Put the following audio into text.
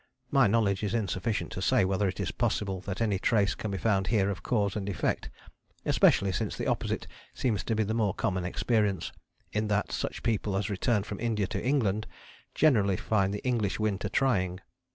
My knowledge is insufficient to say whether it is possible that any trace can be found here of cause and effect, especially since the opposite seems to be the more common experience, in that such people as return from India to England generally find the English winter trying.